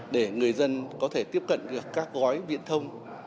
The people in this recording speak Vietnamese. để người dân có thể tiếp cận được các gói viện thông